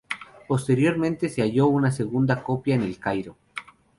Posteriormente se halló una segunda copia en El Cairo.